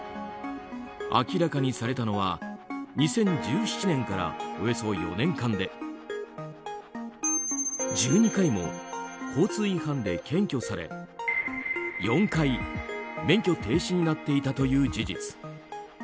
明らかにされたのは２０１７年から、およそ４年間で１２回も交通違反で検挙され４回、免許停止になっていたという事実。